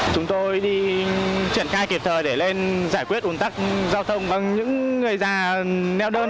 chúng tôi đi chuyển cai kịp thời để lên giải quyết ồn tắc giao thông bằng những người già neo đơn